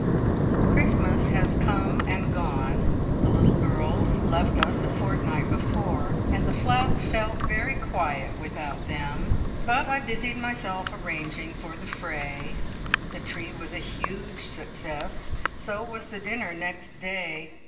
Christmas has come and gone. The little girls left us a fortnight before, and the flat felt very quiet without them, but I busied myself arranging for the fray. The tree was a huge success; so was the dinner next day.